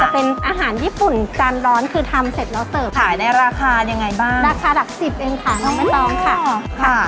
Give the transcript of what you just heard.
เป็นอาหารญี่ปุ่นจานร้อนคือทำเสร็จแล้วเสิร์ฟขายในราคายังไงบ้างราคาหลักสิบเองค่ะน้องใบตองค่ะ